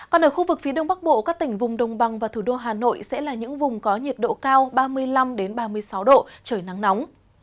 còn ở khu vực phía đông bắc bộ các tỉnh vùng đồng bằng và thủ đô hà nội sẽ là những vùng có nhiệt độ cao ba mươi năm ba mươi sáu độ trời nắng nóng